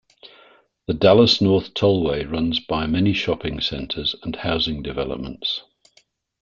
The Dallas North Tollway runs by many shopping centers and housing developments.